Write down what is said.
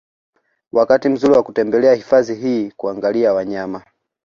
Wakati mzuri wa kutembelea hifadhi hii kuangalia wanyama